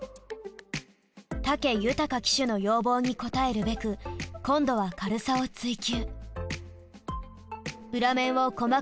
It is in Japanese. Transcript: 武豊騎手の要望に応えるべく今度は軽さを追求。